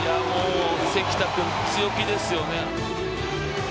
関田君、強気ですよね。